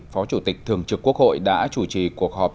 phó chủ tịch thường trực quốc hội đã chủ trì cuộc họp